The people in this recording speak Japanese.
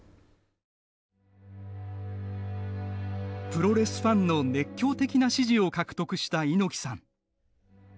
プロレスファンの熱狂的な支持を獲得した猪木さん。